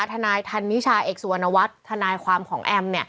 ทนายธันนิชาเอกสุวรรณวัฒน์ทนายความของแอม